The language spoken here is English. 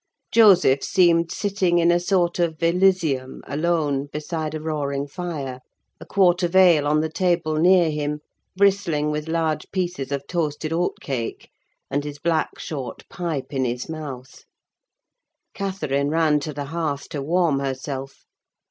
Joseph seemed sitting in a sort of elysium alone, beside a roaring fire; a quart of ale on the table near him, bristling with large pieces of toasted oat cake; and his black, short pipe in his mouth. Catherine ran to the hearth to warm herself.